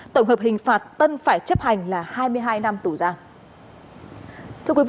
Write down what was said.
tổng hợp hình phạt tân phải chấp hành là hai mươi hai năm tù giam